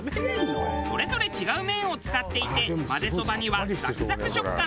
それぞれ違う麺を使っていてまぜそばにはザクザク食感の麺。